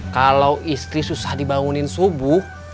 kalau istri susah dibangunin subuh